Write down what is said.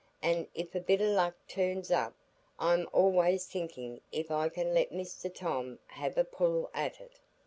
An' if a bit o' luck turns up, I'm allays thinkin' if I can let Mr Tom have a pull at it.